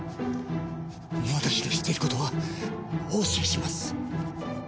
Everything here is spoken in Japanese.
私の知っていることはお教えします。